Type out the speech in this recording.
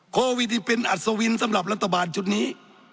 โควิดที่เป็นอัศวินสำหรับรัฐบาลชุดนี้